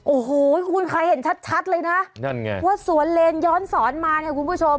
โอ้โหคุณเคยเห็นชัดเลยนะนั่นไงว่าสวนเลนย้อนสอนมาเนี่ยคุณผู้ชม